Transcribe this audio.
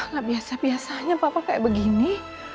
gak biasa biasanya papa kayak begini